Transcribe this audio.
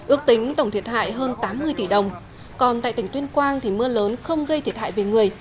ước tính tổng thiệt hại hơn tám mươi tỷ đồng còn tại tỉnh tuyên quang thì mưa lớn không gây thiệt hại về người